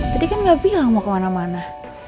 tadi kan nggak bilang mau kemana mana